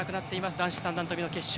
男子三段跳びの決勝。